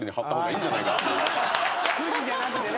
フジじゃなくてね。